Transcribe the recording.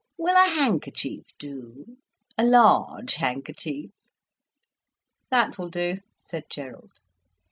"Will a handkerchief do—a large handkerchief?" "That will do," said Gerald.